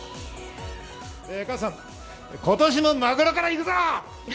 加藤さん、今年もマグロから行くぞ！